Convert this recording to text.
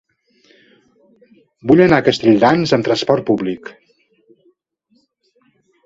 Vull anar a Castelldans amb trasport públic.